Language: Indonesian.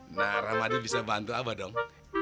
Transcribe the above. nah ramadi bisa bantu abah dong